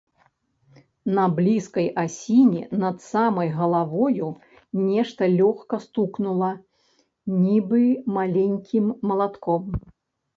На блізкай асіне над самай галавою нешта лёгка стукнула, нібы маленькім малатком.